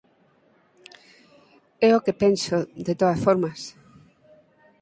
É o que penso, de todas formas.